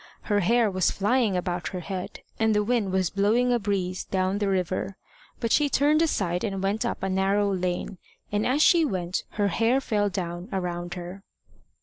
Her hair was flying about her head, and the wind was blowing a breeze down the river. But she turned aside and went up a narrow lane, and as she went her hair fell down around her.